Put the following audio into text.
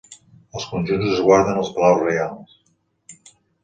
Els conjunts es guarden als palaus reials.